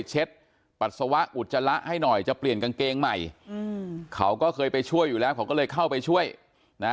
ปัสสาวะอุจจาระให้หน่อยจะเปลี่ยนกางเกงใหม่เขาก็เคยไปช่วยอยู่แล้วเขาก็เลยเข้าไปช่วยนะ